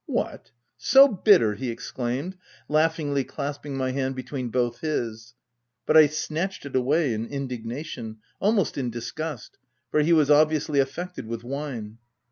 " What ! so bitter ?" he exclaimed, laughingly clasping my hand between both his ; but I snatched it away, in indignation — almost in dis gust, for he was obviously affected with wine.